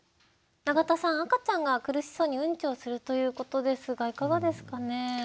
永田さん赤ちゃんが苦しそうにウンチをするということですがいかがですかね？